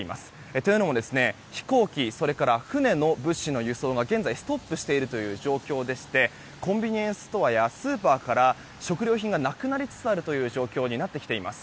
というのも飛行機、船の物資の輸送が現在ストップしている状況でしてコンビニエンスストアやスーパーから食料品がなくなりつつあるという状況になってきています。